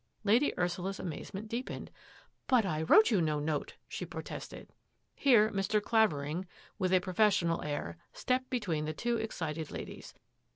Lady Ursula's amazement deepened. " But I wrote you no note/' she protested. Here Mr. Clavering, with a professional air, stepped between the two excited ladies.